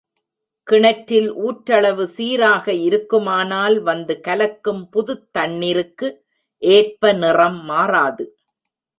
கிணற்றில் ஊற்றளவு சீராக இருக்குமானால் வந்து கலக்கும் புதுத் தண்ணிருக்கு ஏற்ப நிறம் மாறாது.